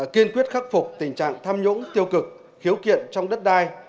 kiên quyết khắc phục tình trạng tham nhũng tiêu cực khiếu kiện trong đất đai